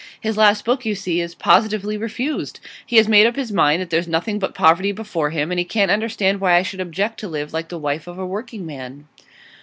His last book, you see, is positively refused. He has made up his mind that there's nothing but poverty before him, and he can't understand why I should object to live like the wife of a working man.